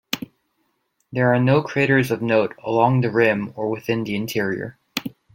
There are no craters of note along the rim or within the interior.